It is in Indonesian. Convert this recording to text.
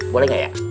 boleh gak ya